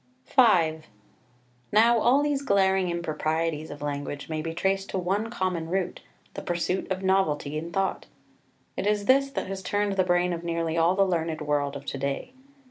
[Footnote 6: v. 18.] V Now all these glaring improprieties of language may be traced to one common root the pursuit of novelty in thought. It is this that has turned the brain of nearly all the learned world of to day.